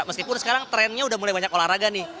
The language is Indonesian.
meskipun sekarang trendnya udah mulai banyak olahraga nih